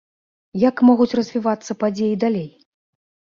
Як могуць развівацца падзеі далей?